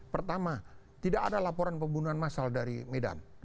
pertama tidak ada laporan pembunuhan masal dari medan